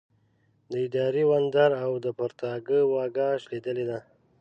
د اداري وندر او د پرتاګه واګه شلېدلې ده.